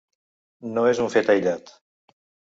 No és un fet aïllat.